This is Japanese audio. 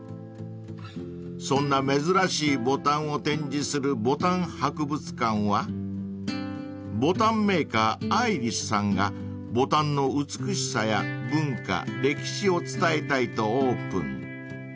［そんな珍しいボタンを展示するボタン博物館はボタンメーカーアイリスさんがボタンの美しさや文化歴史を伝えたいとオープン］